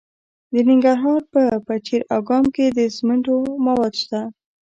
د ننګرهار په پچیر اګام کې د سمنټو مواد شته.